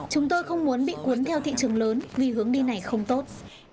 chúng tôi không muốn bị cuốn theo thị trường lớn vì hướng đi này không tốt